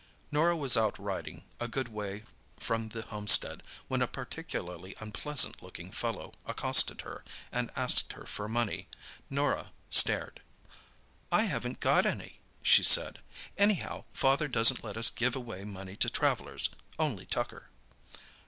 Norah was out riding, a good way from the homestead, when a particularly unpleasant looking fellow accosted her, and asked for money. Norah stared. "I haven't got any," she said. "Anyhow, father doesn't let us give away money to travellers—only tucker."